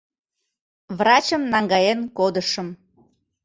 Врачым наҥгаен кодышым.